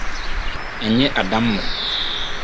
Ɛnyɛ adammɔ.